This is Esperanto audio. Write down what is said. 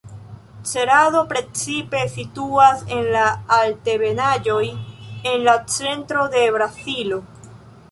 Cerado precipe situas en la altebenaĵoj en la centro de Brazilo.